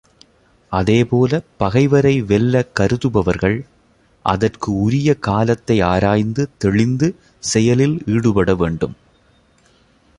அதே போலப் பகைவரை வெல்லக் கருதுபவர்கள் அதற்கு உரிய காலத்தை ஆராய்ந்து தெளிந்து செயலில் ஈடுபட வேண்டும்.